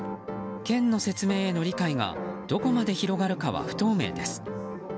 県の説明への理解がどこまで広がるかは不透明です。